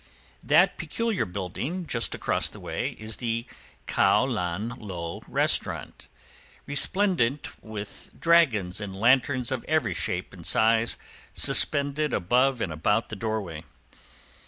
That peculiar building just across the way is the Kow Nan Low Restaurant, resplendent with dragons and lanterns of every shape and size suspended above and about the doorway.